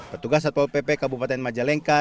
petugas satpol pp kabupaten majalengka